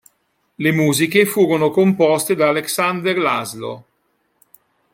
Le musiche furono composte da Alexander Laszlo.